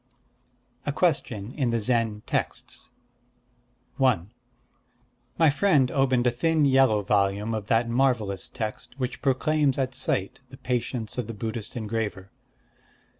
_ A Question in the Zen Texts I My friend opened a thin yellow volume of that marvellous text which proclaims at sight the patience of the Buddhist engraver.